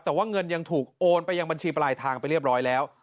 แต่ว่าเงินยังถูกโอนไปยังบัญชีปลายทางไปเรียบร้อยแล้ว